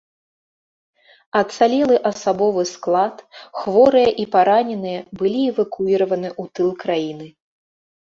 Ацалелы асабовы склад, хворыя і параненыя былі эвакуіраваны ў тыл краіны.